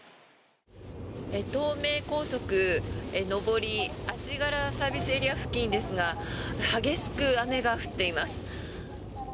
東名高速上り足柄ＳＡ付近ですが激しく雨が降っています。